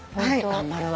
頑張るわ。